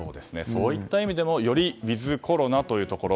そういった意味でもよりウィズコロナというところ。